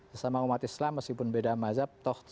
sesama umat islam meskipun beda mazhab